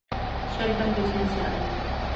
Shelton creció en Seattle.